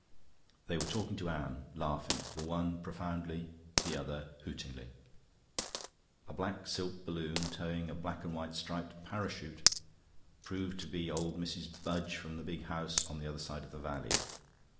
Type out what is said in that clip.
They were talking to Anne, laughing, the one profoundly, the other hootingly. A black silk balloon towing a black and white striped parachute proved to be old Mrs. Budge from the big house on the other side of the valley.